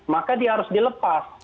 maka dia harus dilepas